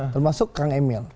termasuk kang emil